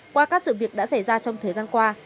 qua các sự việc đã xảy ra trong thời gian qua